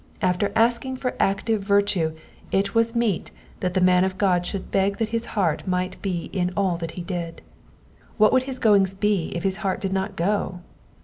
After asking for active virtue it was meet that the man of God should beg that his heart might be in all that he did. What would his goings be if his heart did not go